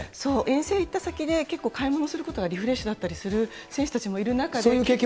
遠征行った先で、結構、買い物することがリフレッシュだったりする選手たちもいる中で。